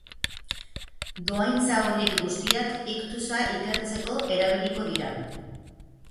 Dohaintza horiek guztiak iktusa ikertzeko erabiliko dira.